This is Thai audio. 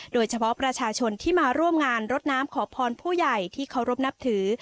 โดยเฉพาะประชาชนที่มาร่วมงานรดน้ำขอพรผู้ใหญ่ที่เคารพนับถือ